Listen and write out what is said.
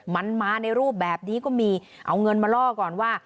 มันมาในรูปแบบนี้ก็มีเอาเงินมาล่อก่อนว่า